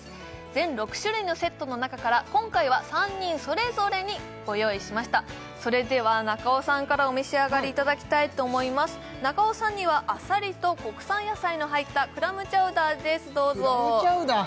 全６種類のセットの中から今回は３人それぞれにご用意しましたそれでは中尾さんからお召し上がりいただきたいと思います中尾さんにはあさりと国産野菜の入ったクラムチャウダーですどうぞクラムチャウダー？